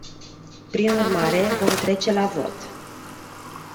Prin urmare, vom trece la vot.